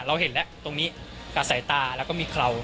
เราเห็นแล้วตรงนี้กับสายตาแล้วก็มีเครา